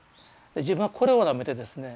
自分はこれをなめてですね